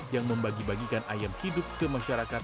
yang membagi bagikan ayam hidup ke masyarakat